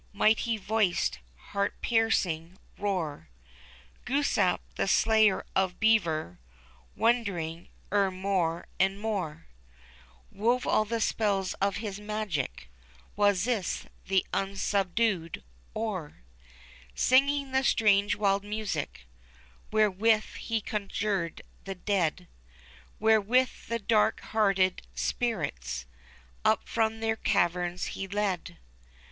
Mighty voiced, heart piercing roar. Glooskap, the slayer of beaver. Wondering, e'er, more and more, 314 THE CHILDREN'S WONDER BOOK. Wove all the spells of his magic Wasis, the unsubdued, o'er ; Singing the strange, wild music Wherewith he conjured the dead, Wherewith the dark hearted spirits Up from their caverns he led.